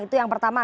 itu yang pertama